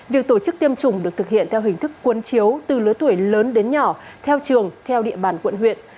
việc tổ chức tiêm chủng được thực hiện theo hình thức cuốn chiếu từ lứa tuổi lớn đến nhỏ theo trường theo địa bàn quận huyện